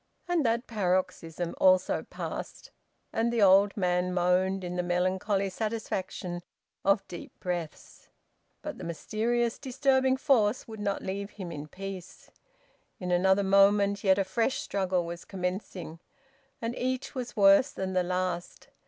And that paroxysm also passed, and the old man moaned in the melancholy satisfaction of deep breaths. But the mysterious disturbing force would not leave him in peace. In another moment yet a fresh struggle was commencing. And each was worse than the last.